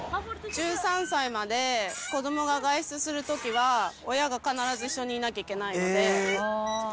１３歳まで子どもが外出するときは、親が必ず一緒にいなきゃいけないので。